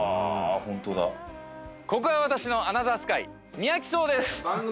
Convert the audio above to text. ホントだここが私のアナザースカイみやき荘です